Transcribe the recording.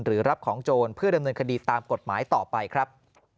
รับของโจรเพื่อดำเนินคดีตามกฎหมายต่อไปครับ